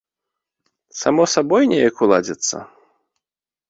Само сабой неяк уладзіцца?